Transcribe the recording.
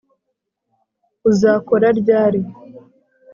Uzakora ryari